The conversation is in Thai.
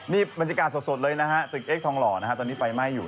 มันจะกากสดเลยตึกเอกทองหล่อตอนนี้ไฟไหม้อยู่